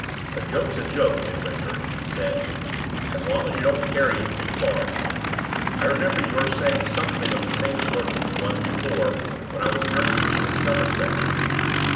"A joke's a joke, Midwinter," he said, "as long as you don't carry it too far. I remember your saying something of the same sort to me once before when I was nursing you in Somersetshire.